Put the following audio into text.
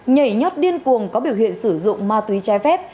nhảy nhót điên cuồng có biểu hiện sử dụng ma túy trái phép